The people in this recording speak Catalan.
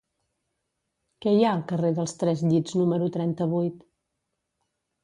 Què hi ha al carrer dels Tres Llits número trenta-vuit?